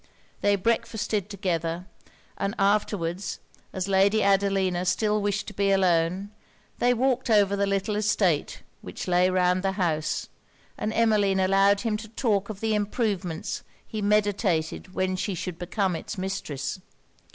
They breakfasted together; and afterwards, as Lady Adelina still wished to be alone, they walked over the little estate which lay round the house, and Emmeline allowed him to talk of the improvements he meditated when she should become it's mistress.